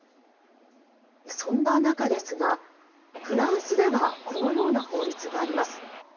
そんな中ですが、フランスではこのような法律があります。